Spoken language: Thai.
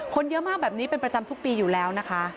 คนเยอะมากแบบนี้เป็นประจำทุกปีอยู่แล้วนะคะ